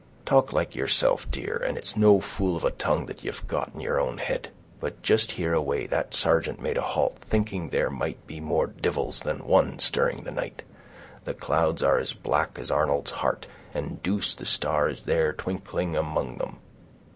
Talk like yeerself, dear, and it's no fool of a tongue that ye've got in yeer own head. But jist here away that sargeant made a halt, thinking there might be more divils than one stirring, the night. The clouds are as black as Arnold's heart, and deuce the star is there twinkling among them.